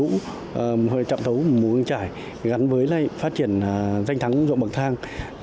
và đồng bào trạm tấu mù cang trải gắn với phát triển danh thắng ruộng bậc thang